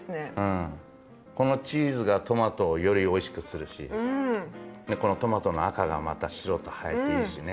このチーズがトマトをよりおいしくするしこのトマトの赤がまた白と映えていいしね。